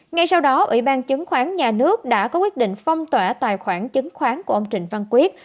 ngay sau đó ủy ban chứng khoán nhà nước đã có quyết định phong tỏa tài khoản chứng khoán của ông trịnh văn quyết